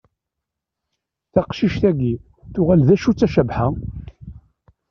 Taqcict-agi tuɣal d acu-tt a Cabḥa?